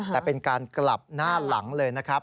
แต่เป็นการกลับหน้าหลังเลยนะครับ